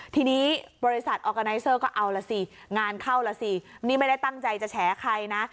ทีนี้บริษัทก็เอาล่ะสิงานเข้าล่ะสินี่ไม่ได้ตั้งใจจะแฉใครนะ